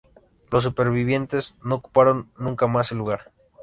Los supervivientes no ocuparon nunca más el lugar.